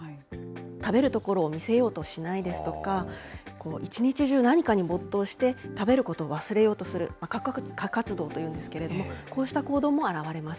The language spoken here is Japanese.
食べるところを見せようとしないですとか、一日中、何かに没頭して、食べることを忘れようとする、過活動というんですけれども、こうした行動も表れます。